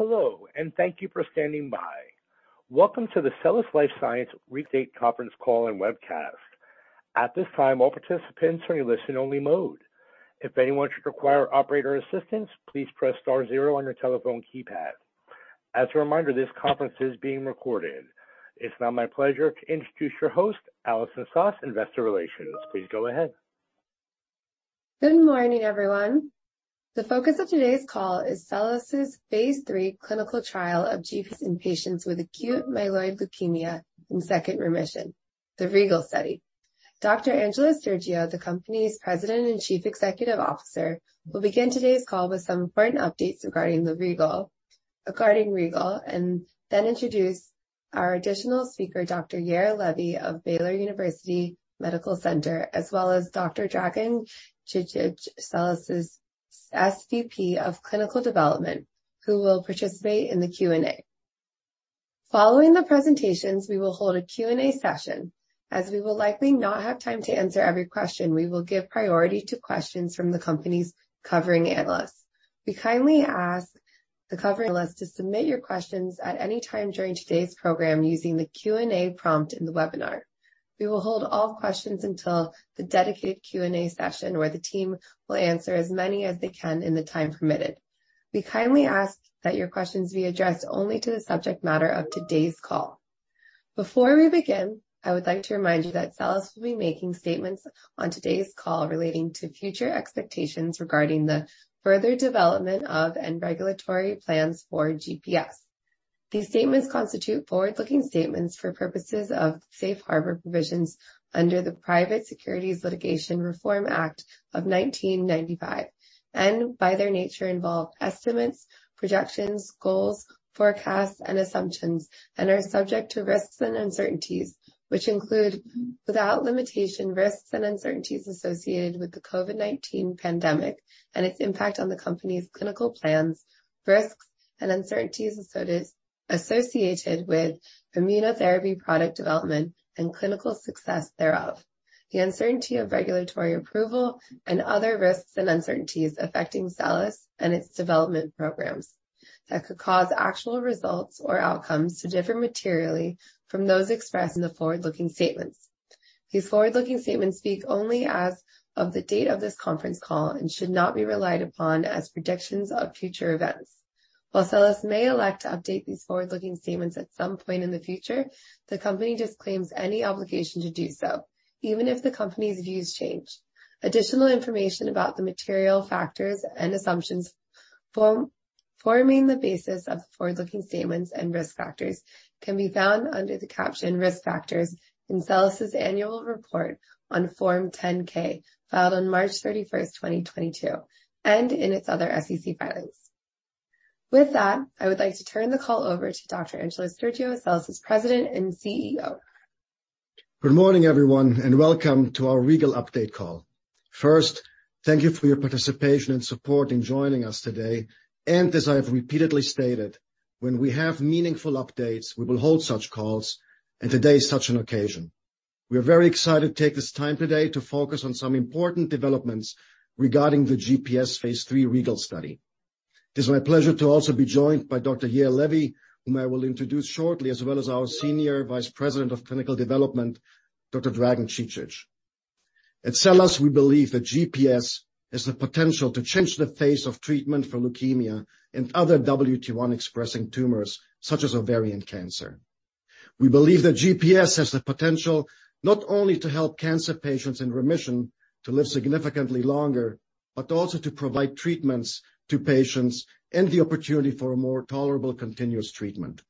Hello, and thank you for standing by. Welcome to the SELLAS Life Sciences Group update conference call and webcast. At this time, all participants are in listen only mode. If anyone should require operator assistance, please press star zero on your telephone keypad. As a reminder, this conference is being recorded. It's now my pleasure to introduce your host, Allison Soss, Investor Relations. Please go ahead. Good morning, everyone. The focus of today's call is SELLAS' phase III clinical trial of GPS in patients with acute myeloid leukemia in second remission, the REGAL study. Dr. Angelos Stergiou, the company's President and Chief Executive Officer, will begin today's call with some important updates regarding REGAL, and then introduce our additional speaker, Dr. Yair Levy of Baylor University Medical Center, as well as Dr. Dragan Cicic, SELLAS' SVP of Clinical Development, who will participate in the Q&A. Following the presentations, we will hold a Q&A session. As we will likely not have time to answer every question, we will give priority to questions from the company's covering analysts. We kindly ask the covering analysts to submit your questions at any time during today's program using the Q&A prompt in the webinar. We will hold all questions until the dedicated Q&A session where the team will answer as many as they can in the time permitted. We kindly ask that your questions be addressed only to the subject matter of today's call. Before we begin, I would like to remind you that SELLAS will be making statements on today's call relating to future expectations regarding the further development of and regulatory plans for Galinpepimut-S. These statements constitute forward-looking statements for purposes of safe harbor provisions under the Private Securities Litigation Reform Act of 1995, and by their nature involve estimates, projections, goals, forecasts, and assumptions and are subject to risks and uncertainties which include, without limitation, risks and uncertainties associated with the COVID-19 pandemic and its impact on the company's clinical plans, risks and uncertainties associated with immunotherapy product development and clinical success thereof, the uncertainty of regulatory approval and other risks and uncertainties affecting SELLAS and its development programs that could cause actual results or outcomes to differ materially from those expressed in the forward-looking statements. These forward-looking statements speak only as of the date of this conference call and should not be relied upon as predictions of future events. While SELLAS may elect to update these forward-looking statements at some point in the future, the company disclaims any obligation to do so, even if the company's views change. Additional information about the material factors and assumptions forming the basis of the forward-looking statements and risk factors can be found under the caption Risk Factors in SELLAS' Annual Report on Form 10-K, filed on March 31, 2022, and in its other SEC filings. With that, I would like to turn the call over to Dr. Angelos Stergiou, SELLAS' President and CEO. Good morning, everyone, and welcome to our REGAL update call. First, thank you for your participation and support in joining us today. As I have repeatedly stated, when we have meaningful updates, we will hold such calls, and today is such an occasion. We are very excited to take this time today to focus on some important developments regarding the GPS phase III REGAL study. It is my pleasure to also be joined by Dr. Yair Levy, whom I will introduce shortly, as well as our Senior Vice President of Clinical Development, Dr. Dragan Cicic. At SELLAS, we believe that GPS has the potential to change the face of treatment for leukemia and other WT1-expressing tumors such as ovarian cancer. We believe that GPS has the potential not only to help cancer patients in remission to live significantly longer, but also to provide treatments to patients and the opportunity for a more tolerable continuous treatment.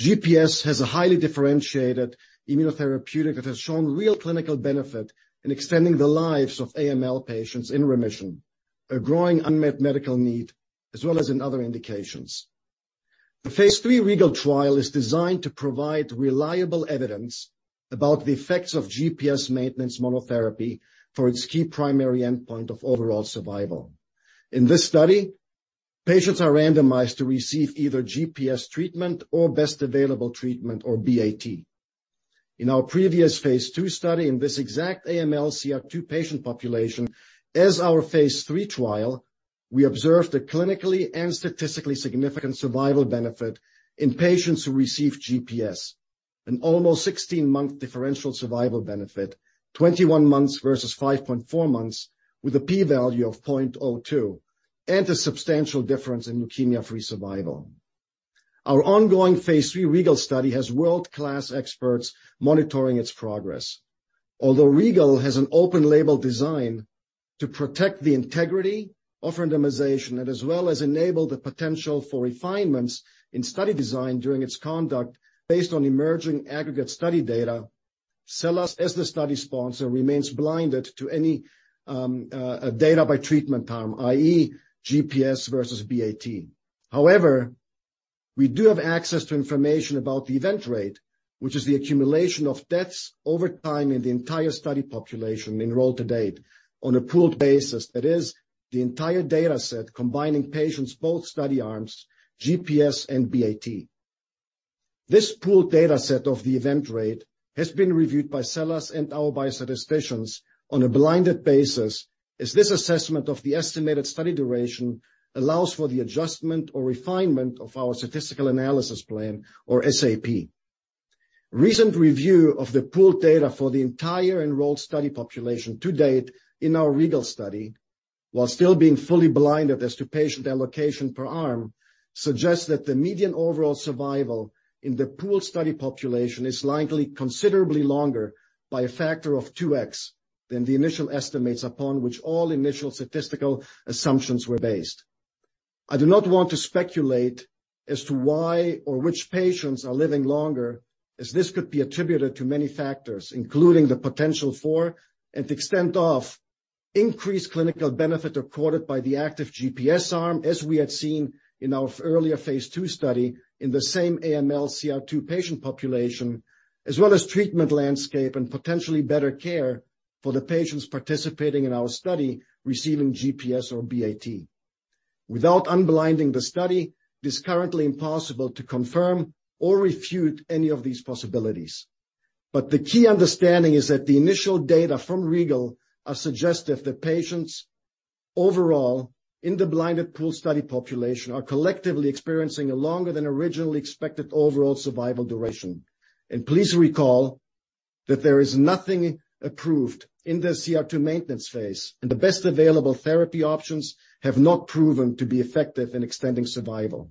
GPS has a highly differentiated immunotherapeutic that has shown real clinical benefit in extending the lives of AML patients in remission, a growing unmet medical need, as well as in other indications. The phase III REGAL trial is designed to provide reliable evidence about the effects of GPS maintenance monotherapy for its key primary endpoint of overall survival. In this study, patients are randomized to receive either GPS treatment or best available treatment, or BAT. In our previous phase II study in this exact AML CR2 patient population as our phase III trial, we observed a clinically and statistically significant survival benefit in patients who received GPS. An almost 16-month differential survival benefit, 21 months versus 5.4 months with a P value of 0.02 and a substantial difference in leukemia-free survival. Our ongoing phase III REGAL study has world-class experts monitoring its progress. Although REGAL has an open label design to protect the integrity of randomization and as well as enable the potential for refinements in study design during its conduct based on emerging aggregate study data, SELLAS as the study sponsor, remains blinded to any data by treatment time, i.e., GPS versus BAT. However, we do have access to information about the event rate, which is the accumulation of deaths over time in the entire study population enrolled to date on a pooled basis. That is the entire data set combining patients, both study arms, GPS and BAT. This pooled data set of the event rate has been reviewed by SELLAS and our biostatisticians on a blinded basis, as this assessment of the estimated study duration allows for the adjustment or refinement of our statistical analysis plan, or SAP. Recent review of the pooled data for the entire enrolled study population to date in our REGAL study, while still being fully blinded as to patient allocation per arm, suggests that the median overall survival in the pooled study population is likely considerably longer by a factor of 2x than the initial estimates upon which all initial statistical assumptions were based. I do not want to speculate as to why or which patients are living longer, as this could be attributed to many factors, including the potential for, and extent of, increased clinical benefit recorded by the active GPS arm, as we had seen in our earlier phase II study in the same AML CR2 patient population, as well as treatment landscape and potentially better care for the patients participating in our study receiving GPS or BAT. Without unblinding the study, it is currently impossible to confirm or refute any of these possibilities. The key understanding is that the initial data from REGAL are suggestive that patients overall in the blinded pool study population are collectively experiencing a longer than originally expected overall survival duration. Please recall that there is nothing approved in the CR2 maintenance phase, and the best available therapy options have not proven to be effective in extending survival.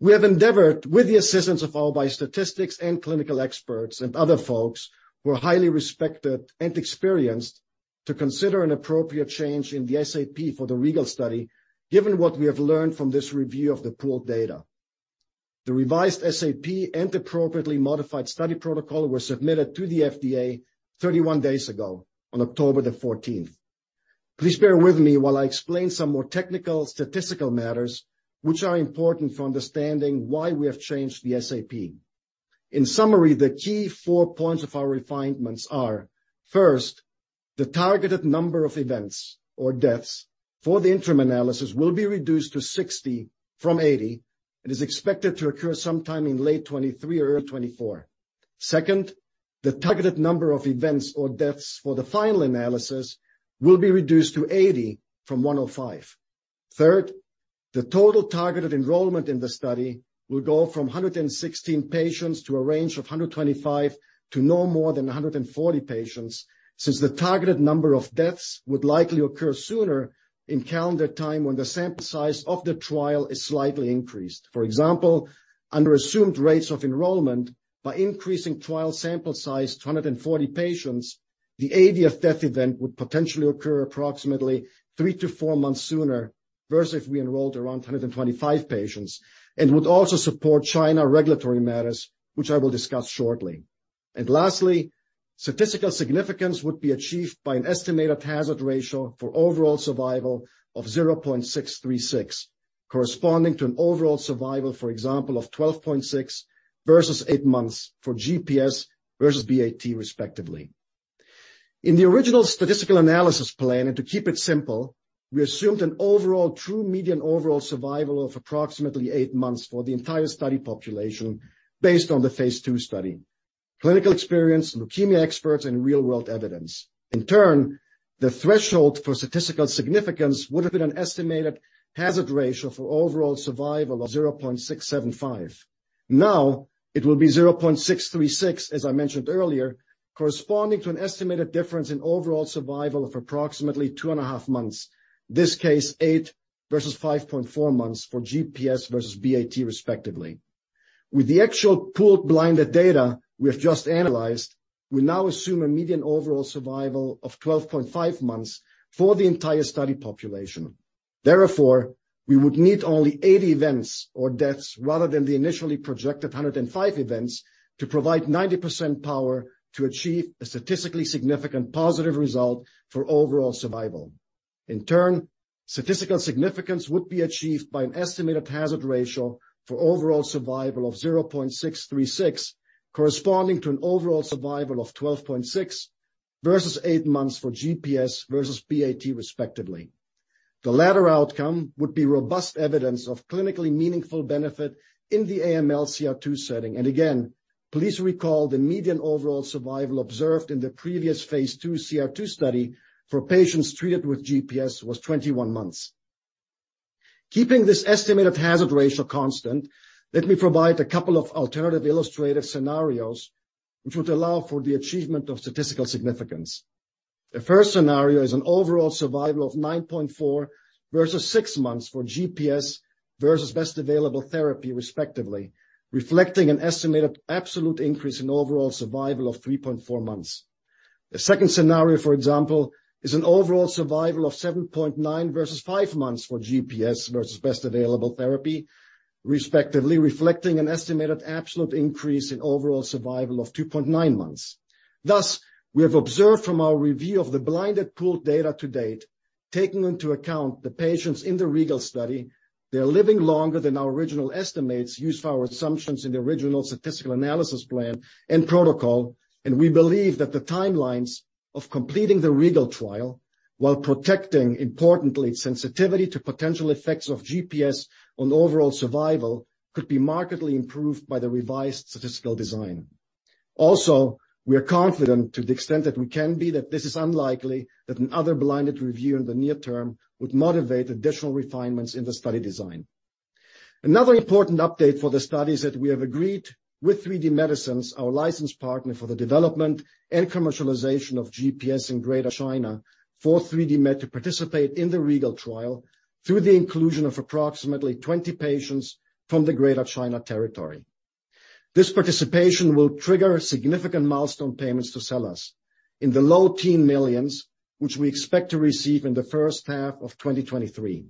We have endeavored, with the assistance of our biostatistics and clinical experts and other folks who are highly respected and experienced, to consider an appropriate change in the SAP for the REGAL study, given what we have learned from this review of the pooled data. The revised SAP and appropriately modified study protocol were submitted to the FDA 31 days ago on October the fourteenth. Please bear with me while I explain some more technical statistical matters which are important for understanding why we have changed the SAP. In summary, the key four points of our refinements are, first, the targeted number of events or deaths for the interim analysis will be reduced to 60 from 80 and is expected to occur sometime in late 2023 or early 2024. Second, the targeted number of events or deaths for the final analysis will be reduced to 80 from 105. Third, the total targeted enrollment in the study will go from 116 patients to a range of 125 to no more than 140 patients, since the targeted number of deaths would likely occur sooner in calendar time when the sample size of the trial is slightly increased. For example, under assumed rates of enrollment, by increasing trial sample size to 140 patients, the 80th death event would potentially occur approximately three to four months sooner versus if we enrolled around 225 patients and would also support China regulatory matters, which I will discuss shortly. Lastly, statistical significance would be achieved by an estimated hazard ratio for overall survival of 0.636, corresponding to an overall survival, for example, of 12.6 versus eight months for GPS versus BAT, respectively. In the original statistical analysis plan, and to keep it simple, we assumed an overall true median overall survival of approximately eight months for the entire study population based on the phase II study, clinical experience, leukemia experts and real-world evidence. In turn, the threshold for statistical significance would have been an estimated hazard ratio for overall survival of 0.675. Now, it will be 0.636, as I mentioned earlier, corresponding to an estimated difference in overall survival of approximately 2.5 months. This is eight versus 5.4 months for GPS versus BAT, respectively. With the actual pooled blinded data we have just analyzed, we now assume a median overall survival of 12.5 months for the entire study population. Therefore, we would need only 80 events or deaths rather than the initially projected 105 events to provide 90% power to achieve a statistically significant positive result for overall survival. In turn, statistical significance would be achieved by an estimated hazard ratio for overall survival of 0.636, corresponding to an overall survival of 12.6 versus eight months for GPS versus BAT respectively. The latter outcome would be robust evidence of clinically meaningful benefit in the AML CR2 setting. Again, please recall the median overall survival observed in the previous phase II CR2 study for patients treated with GPS was 21 months. Keeping this estimated hazard ratio constant, let me provide a couple of alternative illustrative scenarios which would allow for the achievement of statistical significance. The first scenario is an overall survival of 9.4 versus six months for GPS versus best available therapy, respectively, reflecting an estimated absolute increase in overall survival of 3.4 months. The second scenario, for example, is an overall survival of 7.9 versus five months for GPS versus best available therapy, respectively, reflecting an estimated absolute increase in overall survival of 2.9 months. Thus, we have observed from our review of the blinded pooled data to date, taking into account the patients in the REGAL study, they are living longer than our original estimates used for our assumptions in the original statistical analysis plan and protocol, and we believe that the timelines of completing the REGAL trial. While protecting, importantly, sensitivity to potential effects of GPS on overall survival could be markedly improved by the revised statistical design. Also, we are confident, to the extent that we can be, that this is unlikely that another blinded review in the near term would motivate additional refinements in the study design. Another important update for the study is that we have agreed with 3D Medicines, our license partner for the development and commercialization of GPS in Greater China, for 3DMed to participate in the REGAL trial through the inclusion of approximately 20 patients from the Greater China territory. This participation will trigger significant milestone payments to SELLAS in the low teen millions, which we expect to receive in the first half of 2023.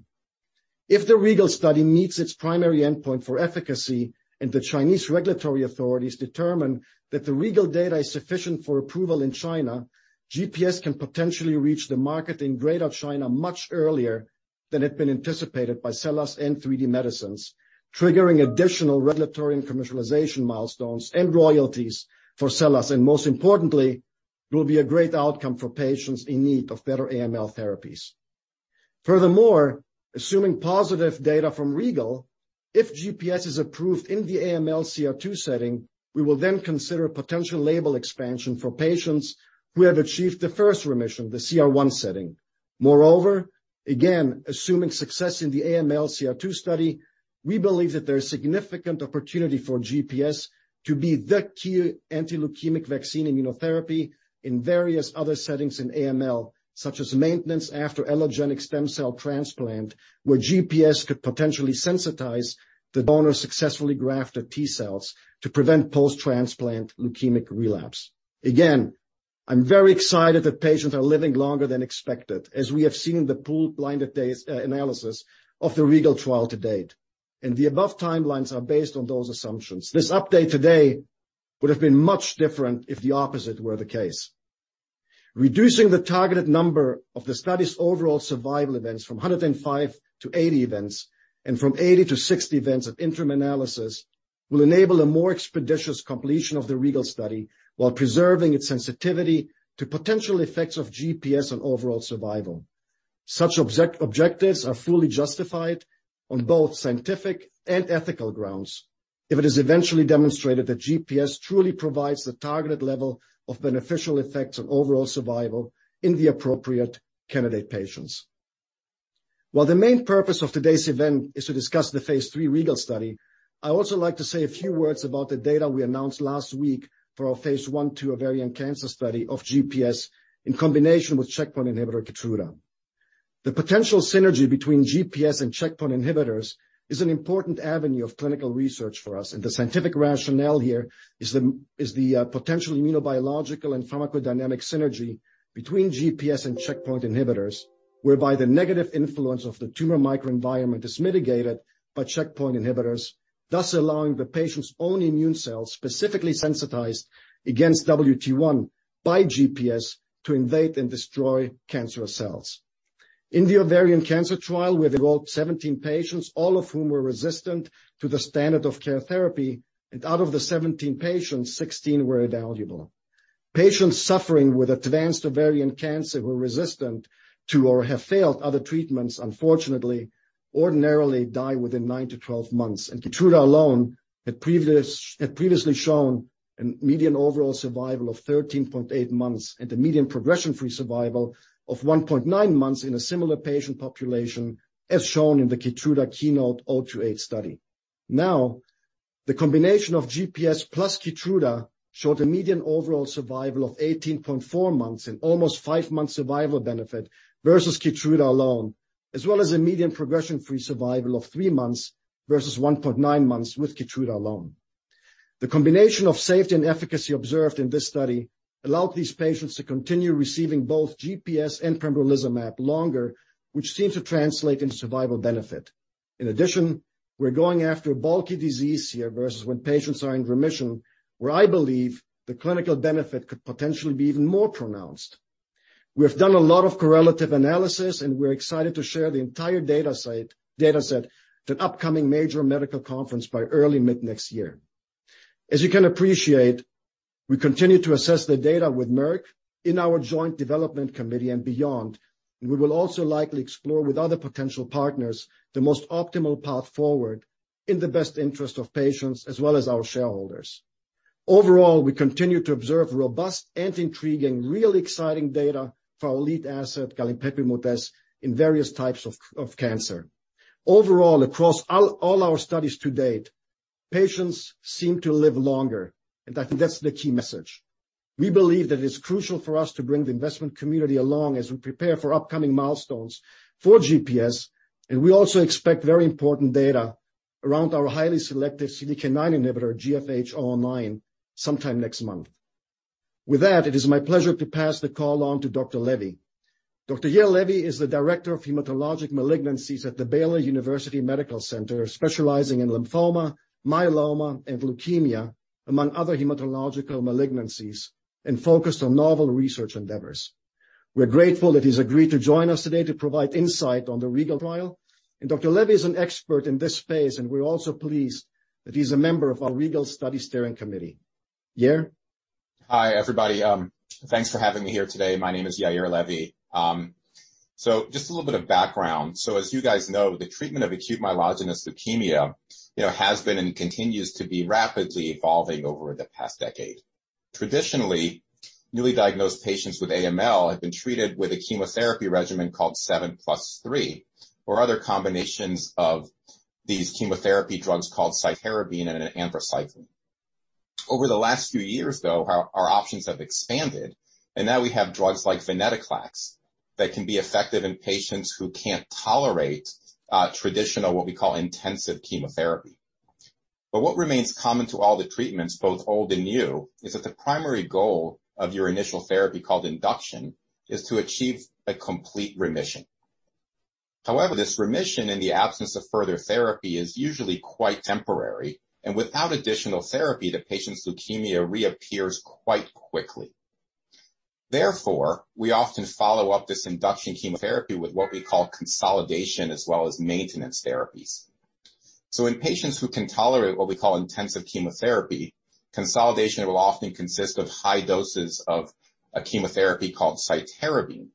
If the REGAL study meets its primary endpoint for efficacy and the Chinese regulatory authorities determine that the REGAL data is sufficient for approval in China, GPS can potentially reach the market in Greater China much earlier than had been anticipated by SELLAS and 3D Medicines, triggering additional regulatory and commercialization milestones and royalties for SELLAS. Most importantly, it will be a great outcome for patients in need of better AML therapies. Furthermore, assuming positive data from REGAL, if GPS is approved in the AML CR2 setting, we will then consider potential label expansion for patients who have achieved the first remission, the CR1 setting. Moreover, again, assuming success in the AML CR2 study, we believe that there is significant opportunity for GPS to be the key anti-leukemic vaccine immunotherapy in various other settings in AML, such as maintenance after allogeneic stem cell transplant, where GPS could potentially sensitize the donor's successfully grafted T cells to prevent post-transplant leukemic relapse. Again, I'm very excited that patients are living longer than expected, as we have seen in the pooled blinded data analysis of the REGAL trial to date, and the above timelines are based on those assumptions. This update today would have been much different if the opposite were the case. Reducing the targeted number of the study's overall survival events from 105 to 80 events and from 80 to 60 events of interim analysis will enable a more expeditious completion of the REGAL study while preserving its sensitivity to potential effects of GPS on overall survival. Such objectives are fully justified on both scientific and ethical grounds if it is eventually demonstrated that GPS truly provides the targeted level of beneficial effects on overall survival in the appropriate candidate patients. While the main purpose of today's event is to discuss the phase III REGAL study, I also like to say a few words about the data we announced last week for our phase I/II ovarian cancer study of GPS in combination with checkpoint inhibitor Keytruda. The potential synergy between GPS and checkpoint inhibitors is an important avenue of clinical research for us. The scientific rationale here is the potential immunobiological and pharmacodynamic synergy between GPS and checkpoint inhibitors, whereby the negative influence of the tumor microenvironment is mitigated by checkpoint inhibitors, thus allowing the patient's own immune cells, specifically sensitized against WT1 by GPS, to invade and destroy cancerous cells. In the ovarian cancer trial, we enrolled 17 patients, all of whom were resistant to the standard of care therapy. Out of the 17 patients, 16 were evaluable. Patients suffering with advanced ovarian cancer who are resistant to or have failed other treatments, unfortunately ordinarily die within nine to 12 months. Keytruda alone had previously shown a median overall survival of 13.8 months and a median progression-free survival of 1.9 months in a similar patient population, as shown in the Keytruda KEYNOTE-028 study. Now, the combination of GPS plus Keytruda showed a median overall survival of 18.4 months and almost five months survival benefit versus Keytruda alone, as well as a median progression-free survival of three months versus 1.9 months with Keytruda alone. The combination of safety and efficacy observed in this study allowed these patients to continue receiving both GPS and pembrolizumab longer, which seems to translate into survival benefit. In addition, we're going after bulky disease here versus when patients are in remission, where I believe the clinical benefit could potentially be even more pronounced. We have done a lot of correlative analysis, and we're excited to share the entire data set at an upcoming major medical conference by early to mid-next year. As you can appreciate, we continue to assess the data with Merck in our joint development committee and beyond. We will also likely explore with other potential partners the most optimal path forward in the best interest of patients as well as our shareholders. Overall, we continue to observe robust and intriguing, really exciting data for our lead asset, Galinpepimut-S, in various types of cancer. Overall, across all our studies to date, patients seem to live longer, and I think that's the key message. We believe that it's crucial for us to bring the investment community along as we prepare for upcoming milestones for GPS. We also expect very important data around our highly selective CDK9 inhibitor, SLS009, sometime next month. With that, it is my pleasure to pass the call on to Dr. Yair Levy. Yair Levy is the Director of Hematologic Malignancies at the Baylor University Medical Center, specializing in lymphoma, myeloma, and leukemia, among other hematological malignancies, and focused on novel research endeavors. We're grateful that he's agreed to join us today to provide insight on the REGAL trial. Dr. Levy is an expert in this space, and we're also pleased that he's a member of our REGAL Study Steering Committee. Yair? Hi, everybody. Thanks for having me here today. My name is Yair Levy. Just a little bit of background. As you guys know, the treatment of acute myelogenous leukemia, you know, has been and continues to be rapidly evolving over the past decade. Traditionally, newly diagnosed patients with AML have been treated with a chemotherapy regimen called 7+3, or other combinations of these chemotherapy drugs called cytarabine and anthracycline. Over the last few years, though, our options have expanded, and now we have drugs like venetoclax that can be effective in patients who can't tolerate traditional, what we call intensive chemotherapy. What remains common to all the treatments, both old and new, is that the primary goal of your initial therapy, called induction, is to achieve a complete remission. However, this remission, in the absence of further therapy, is usually quite temporary. Without additional therapy, the patient's leukemia reappears quite quickly. Therefore, we often follow up this induction chemotherapy with what we call consolidation, as well as maintenance therapies. In patients who can tolerate what we call intensive chemotherapy, consolidation will often consist of high doses of a chemotherapy called cytarabine.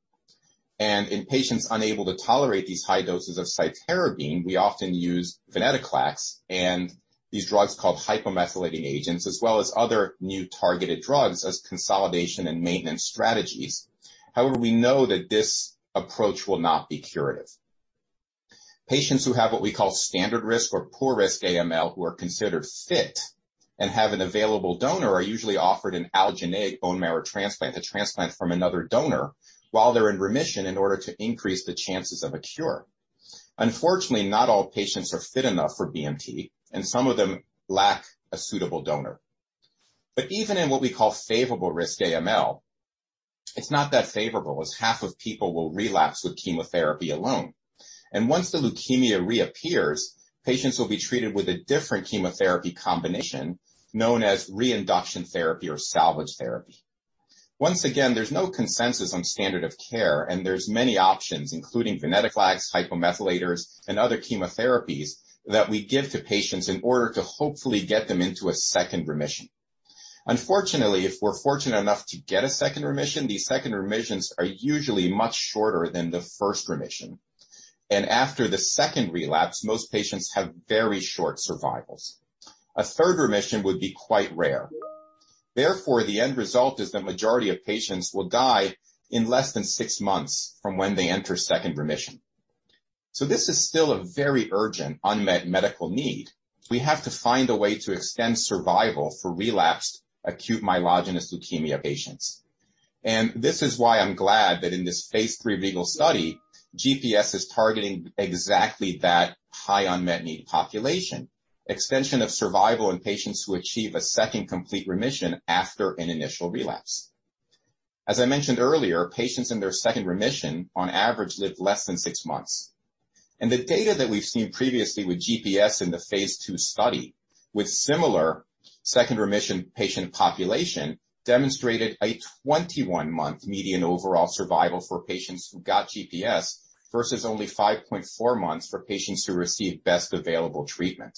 In patients unable to tolerate these high doses of cytarabine, we often use venetoclax and these drugs called hypomethylating agents, as well as other new targeted drugs, as consolidation and maintenance strategies. However, we know that this approach will not be curative. Patients who have what we call standard risk or poor risk AML, who are considered fit and have an available donor, are usually offered an allogeneic bone marrow transplant, a transplant from another donor while they're in remission in order to increase the chances of a cure. Unfortunately, not all patients are fit enough for BMT, and some of them lack a suitable donor. Even in what we call favorable risk AML, it's not that favorable, as half of people will relapse with chemotherapy alone. Once the leukemia reappears, patients will be treated with a different chemotherapy combination known as reinduction therapy or salvage therapy. Once again, there's no consensus on standard of care, and there's many options, including venetoclax, hypomethylators, and other chemotherapies that we give to patients in order to hopefully get them into a second remission. Unfortunately, if we're fortunate enough to get a second remission, these second remissions are usually much shorter than the first remission. After the second relapse, most patients have very short survivals. A third remission would be quite rare. Therefore, the end result is the majority of patients will die in less than six months from when they enter second remission. This is still a very urgent unmet medical need. We have to find a way to extend survival for relapsed acute myeloid leukemia patients. This is why I'm glad that in this phase III REGAL study, GPS is targeting exactly that high unmet need population. Extension of survival in patients who achieve a second complete remission after an initial relapse. As I mentioned earlier, patients in their second remission, on average, live less than six months. The data that we've seen previously with GPS in the phase II study with similar second remission patient population demonstrated a 21-month median overall survival for patients who got GPS versus only 5.4 months for patients who received best available treatment.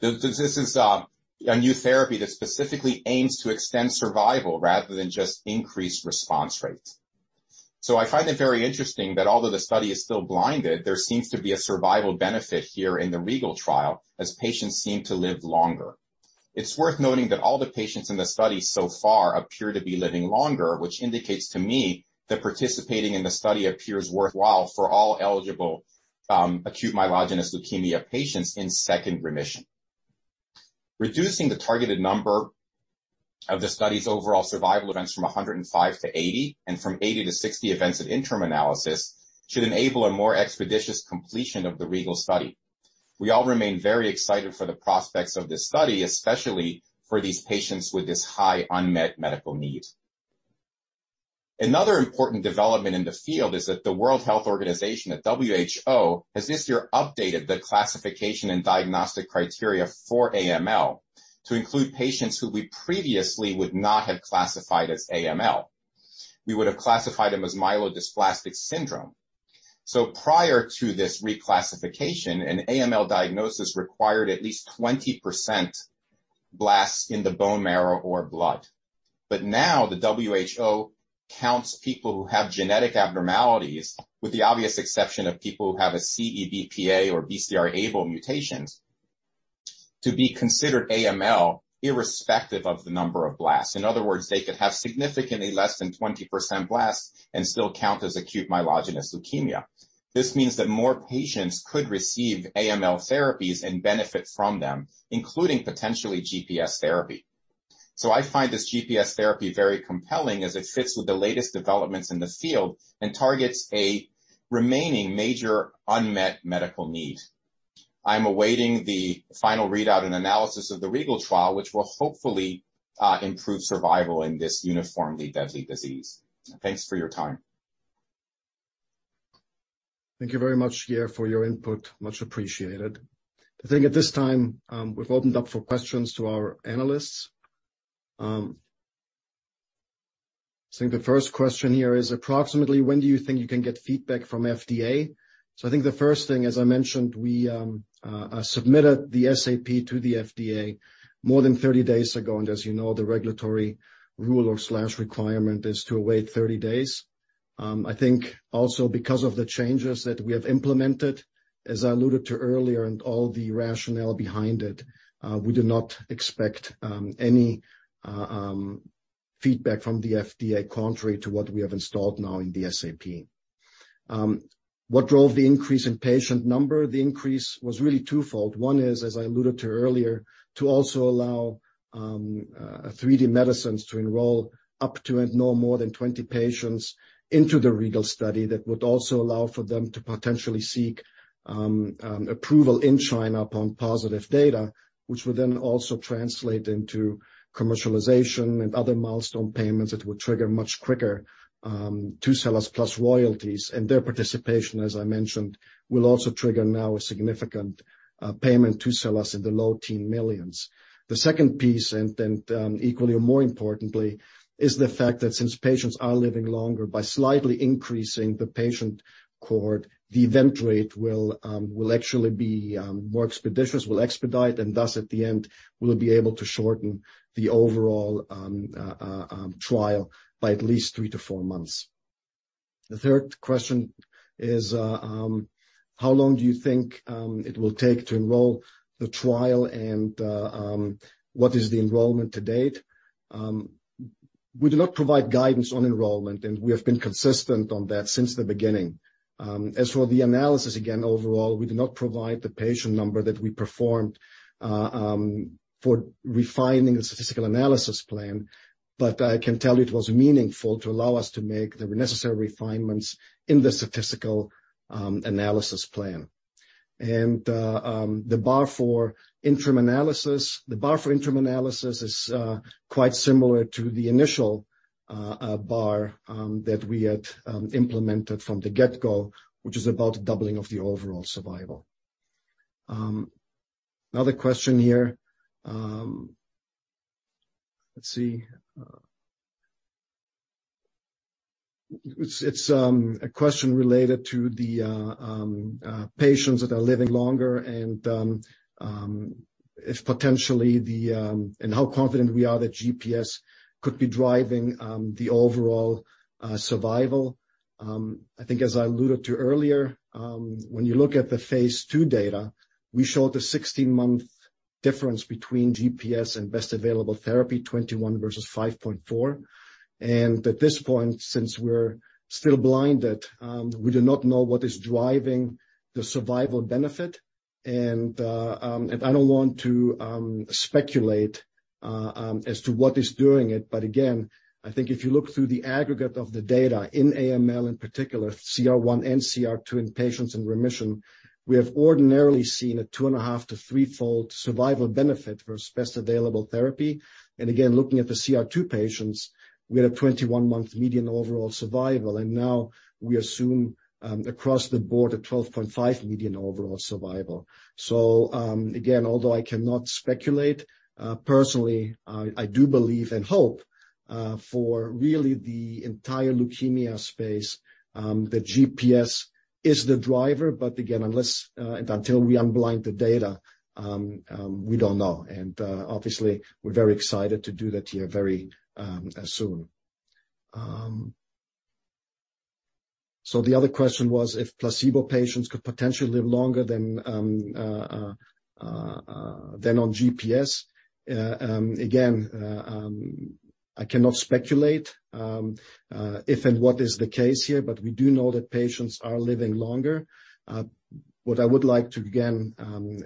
This is a new therapy that specifically aims to extend survival rather than just increase response rates. I find it very interesting that although the study is still blinded, there seems to be a survival benefit here in the REGAL trial as patients seem to live longer. It's worth noting that all the patients in the study so far appear to be living longer, which indicates to me that participating in the study appears worthwhile for all eligible acute myeloid leukemia patients in second remission. Reducing the targeted number of the study's overall survival events from 105 to 80 and from 80 to 60 events at interim analysis should enable a more expeditious completion of the REGAL study. We all remain very excited for the prospects of this study, especially for these patients with this high unmet medical need. Another important development in the field is that the World Health Organization, the WHO, has this year updated the classification and diagnostic criteria for AML to include patients who we previously would not have classified as AML. We would have classified them as myelodysplastic syndrome. Prior to this reclassification, an AML diagnosis required at least 20% blasts in the bone marrow or blood. Now the WHO counts people who have genetic abnormalities, with the obvious exception of people who have a CEBPA or BCR-ABL mutations, to be considered AML, irrespective of the number of blasts. In other words, they could have significantly less than 20% blasts and still count as acute myelogenous leukemia. This means that more patients could receive AML therapies and benefit from them, including potentially GPS therapy. I find this GPS therapy very compelling as it fits with the latest developments in the field and targets a remaining major unmet medical need. I'm awaiting the final readout and analysis of the REGAL trial, which will hopefully improve survival in this uniformly deadly disease. Thanks for your time. Thank you very much, Yair, for your input. Much appreciated. I think at this time, we've opened up for questions to our analysts. I think the first question here is approximately when do you think you can get feedback from FDA? I think the first thing, as I mentioned, we submitted the SAP to the FDA more than 30 days ago. As you know, the regulatory rule or slash requirement is to await 30 days. I think also because of the changes that we have implemented, as I alluded to earlier, and all the rationale behind it, we do not expect any feedback from the FDA, contrary to what we have installed now in the SAP. What drove the increase in patient number? The increase was really twofold. One is, as I alluded to earlier, to also allow 3D Medicines to enroll up to and no more than 20 patients into the REGAL study. That would also allow for them to potentially seek approval in China upon positive data, which would then also translate into commercialization and other milestone payments that would trigger much quicker to SELLAS plus royalties. Their participation, as I mentioned, will also trigger now a significant payment to SELLAS in the low-teen millions. The second piece, equally or more importantly, is the fact that since patients are living longer, by slightly increasing the patient cohort, the event rate will actually be more expeditious, will expedite, and thus at the end, we'll be able to shorten the overall trial by at least three to four months. The third question is, how long do you think it will take to enroll the trial and what is the enrollment to date? We do not provide guidance on enrollment, and we have been consistent on that since the beginning. As for the analysis, again, overall, we do not provide the patient number that we performed for refining the statistical analysis plan. I can tell you it was meaningful to allow us to make the necessary refinements in the statistical analysis plan. The bar for interim analysis. The bar for interim analysis is quite similar to the initial bar that we had implemented from the get-go, which is about doubling of the overall survival. Another question here, let's see. It's a question related to the patients that are living longer and how confident we are that GPS could be driving the overall survival. I think as I alluded to earlier, when you look at the phase II data, we showed a 16-month difference between GPS and best available therapy, 21 versus 5.4. At this point, since we're still blinded, we do not know what is driving the survival benefit. I don't want to speculate as to what is doing it. Again, I think if you look through the aggregate of the data in AML, in particular, CR1 and CR2 in patients in remission, we have ordinarily seen a 2.5- to threefold survival benefit versus best available therapy. Again, looking at the CR2 patients, we had a 21-month median overall survival. Now we assume across the board a 12.5 median overall survival. Again, although I cannot speculate, personally, I do believe and hope for really the entire leukemia space that GPS is the driver. Again, until we unblind the data, we don't know. Obviously we're very excited to do that here very soon. The other question was if placebo patients could potentially live longer than on GPS. Again, I cannot speculate if and what is the case here, but we do know that patients are living longer. What I would like to again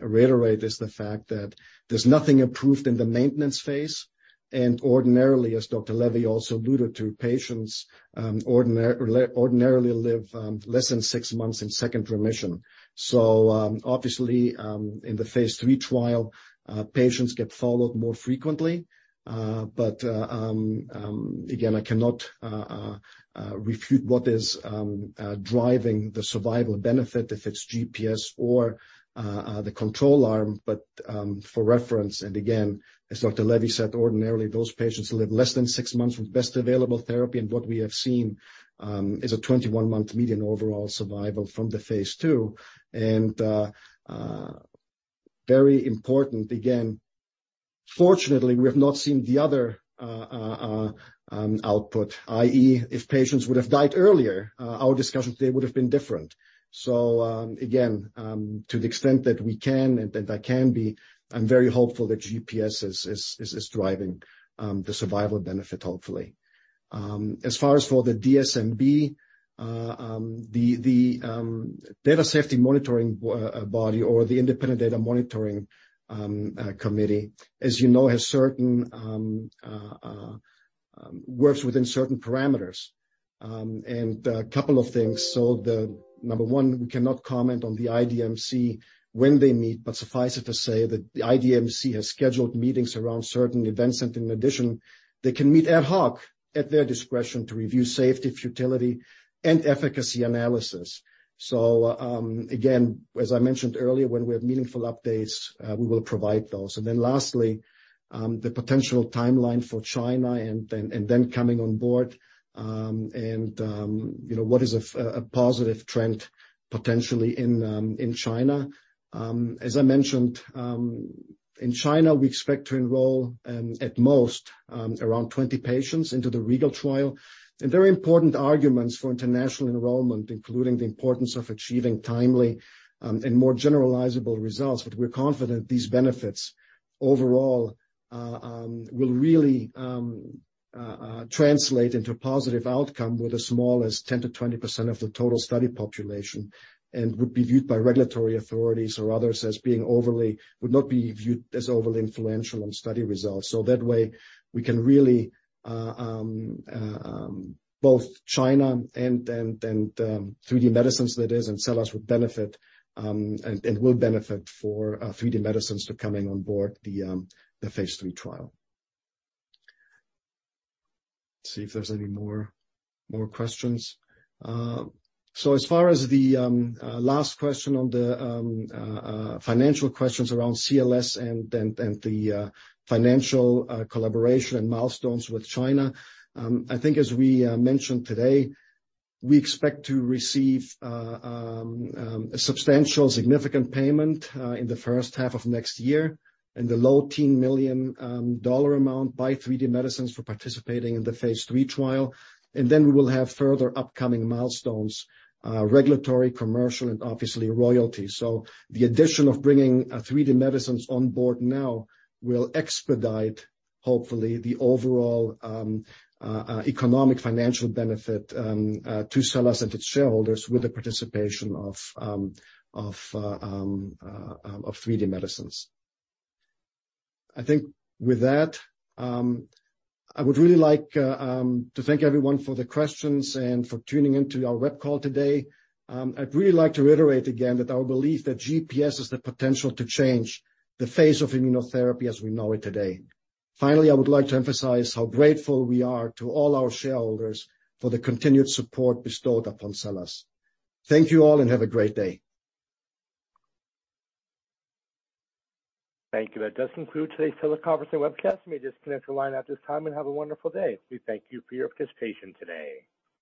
reiterate is the fact that there's nothing approved in the maintenance phase. Ordinarily, as Dr. Levy also alluded to, patients ordinarily live less than six months in second remission. Obviously, in the phase III trial, patients get followed more frequently. Again, I cannot refute what is driving the survival benefit if it's GPS or the control arm. For reference, and again, as Dr. Levy said, ordinarily, those patients live less than six months with best available therapy. What we have seen is a 21-month median overall survival from the phase II. Very important, again, fortunately, we have not seen the other output. i.e., if patients would have died earlier, our discussion today would have been different. Again, to the extent that we can and I can be, I'm very hopeful that GPS is driving the survival benefit, hopefully. As far as for the DSMB, the Data Safety Monitoring Board or the Independent Data Monitoring Committee, as you know, has certain works within certain parameters. A couple of things. The number one, we cannot comment on the IDMC when they meet, but suffice it to say that the IDMC has scheduled meetings around certain events. In addition, they can meet ad hoc at their discretion to review safety, futility, and efficacy analysis. Again, as I mentioned earlier, when we have meaningful updates, we will provide those. Then lastly, the potential timeline for China and then coming on board, and you know, what is a positive trend potentially in China. As I mentioned, in China, we expect to enroll, at most, around 20 patients into the REGAL trial. Very important arguments for international enrollment, including the importance of achieving timely and more generalizable results. We're confident these benefits overall will really translate into positive outcome with as small as 10%-20% of the total study population and would not be viewed as overly influential on study results. That way we can really both China and 3D Medicines, that is, and SELLAS would benefit and will benefit for 3D Medicines coming on board the phase III trial. See if there's any more questions. As far as the last question on the financial questions around SELLAS and the financial collaboration and milestones with China, I think as we mentioned today, we expect to receive a substantial significant payment in the first half of next year in the low teens million dollar amount by 3D Medicines for participating in the phase III trial. We will have further upcoming milestones, regulatory, commercial and obviously royalty. The addition of bringing 3D Medicines on board now will expedite, hopefully, the overall economic, financial benefit to SELLAS and its shareholders with the participation of 3D Medicines. I think with that, I would really like to thank everyone for the questions and for tuning into our web call today. I'd really like to reiterate again that our belief that GPS has the potential to change the face of immunotherapy as we know it today. Finally, I would like to emphasize how grateful we are to all our shareholders for the continued support bestowed upon SELLAS. Thank you all and have a great day. Thank you. That does conclude today's teleconference and webcast. You may disconnect your line at this time and have a wonderful day. We thank you for your participation today.